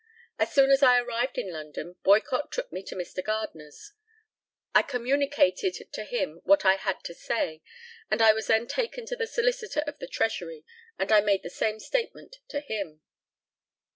As soon as I arrived in London, Boycott took me to Mr. Gardner's. I communicated to him what I had to say; and I was then taken to the Solicitor of the Treasury, and I made the same statement to him.